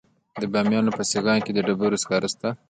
د بامیان په سیغان کې د ډبرو سکاره شته.